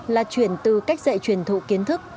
là chuyển từ cách dạy truyền thụ kiến thức